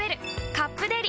「カップデリ」